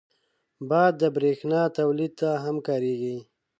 باد د بریښنا تولید ته هم کارېږي